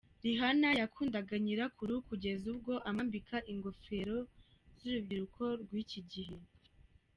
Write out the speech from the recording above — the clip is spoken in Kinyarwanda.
Rihanna yakundaga nyirakuru kugeza ubwo amwambika ingofero z'urubyiruko rw'iki gihe.